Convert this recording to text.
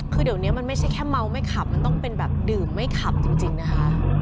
คือเดี๋ยวนี้มันไม่ใช่แค่เมาไม่ขับมันต้องเป็นแบบดื่มไม่ขับจริงนะคะ